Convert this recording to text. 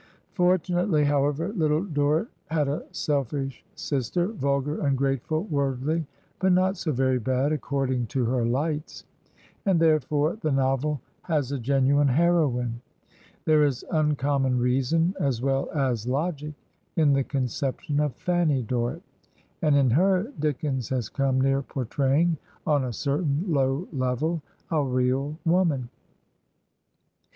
Fortunately, however. Little Dorrit had a selfish sister, vulgar, ungrateful, worldly, but not so very bad, according to her lights ; and therefore the novel has a genuine heroine. There is uncommon reason as well as logic in the conception of Fanny Dorrit, and in her Dickens has come near portraying, on a cer tain low level, a real woman.